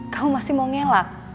kamu masih mau ngelak